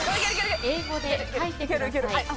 ［英語で書いてください］